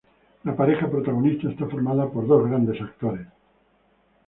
La pareja protagonista está formada por dos grandes actores.